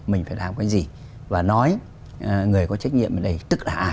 mình phải làm cái gì và nói người có trách nhiệm ở đây tức là ai